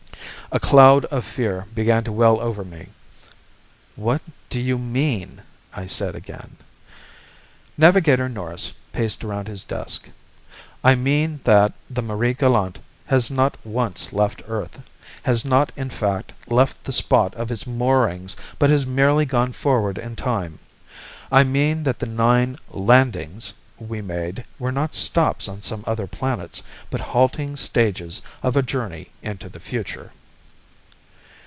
A cloud of fear began to well over me. "What do you mean?" I said again. Navigator Norris paced around his desk. "I mean that the Marie Galante _has not once left Earth, has not in fact left the spot of its moorings but has merely gone forward in time. I mean that the nine 'landings' we made were not stops on some other planets but halting stages of a journey into the future.